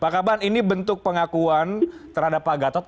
pak kapan ini bentuk pengakuan terhadap pak gadot